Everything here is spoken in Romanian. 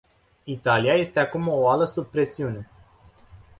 Italia este acum o oală sub presiune.